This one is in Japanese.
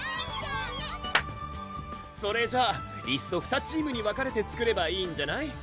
それじゃあいっそ２チームに分かれて作ればいいんじゃない？